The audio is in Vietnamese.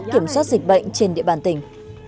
và kiểm soát dịch bệnh trên địa bàn tỉnh